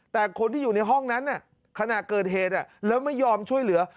แต่คนที่อยู่ในห้องนั้นขณะเกิดเหตุแล้วไม่ยอมช่วยเหลือ